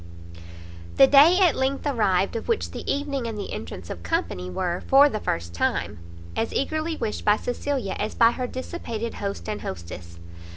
The day at length arrived of which the evening and the entrance of company were, for the first time, as eagerly wished by Cecilia as by her dissipated host and hostess.